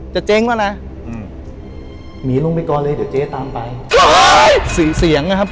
เจ๊งป่ะนะอืมหมีลงไปก่อนเลยเดี๋ยวเจ๊ตามไปสี่เสียงนะครับ